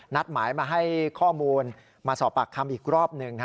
นัดหมายมาให้ข้อมูลมาสอบปากคำอีกรอบหนึ่ง